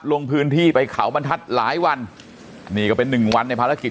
ลงพื้นที่ไปเขาบรรทัศน์หลายวันนี่ก็เป็นหนึ่งวันในภารกิจ